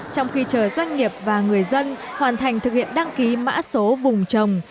trong khi chờ doanh nghiệp và người dân hoàn thành thực hiện đăng ký mã số vùng trồng